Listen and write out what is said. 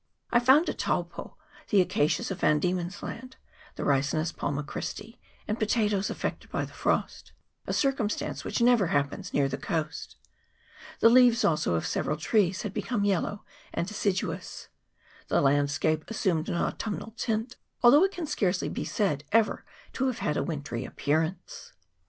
I found at Taupo the acacias of Van Diemen's Land, the Ricinus palma Christi, and potatoes, affected by the frost a cir cumstance which never happens near the coast ; the leaves also of several trees had become yellow and deciduous ; the landscape assumed an autumnal tint, although it can scarcely be said ever to have had a wintry appearance.